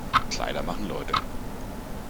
Kleider machen Leute.